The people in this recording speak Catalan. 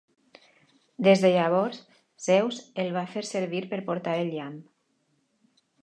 Des de llavors, Zeus el va fer servir per portar el llamp.